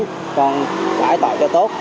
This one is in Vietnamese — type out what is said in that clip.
con cãi tội cho tốt